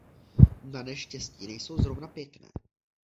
Naneštěstí nejsou zrovna pěkné.